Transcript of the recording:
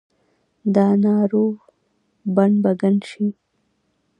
دا نارو بڼ به ګڼ شي